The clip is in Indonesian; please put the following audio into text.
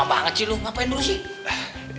lama banget sih lu ngapain dulu sih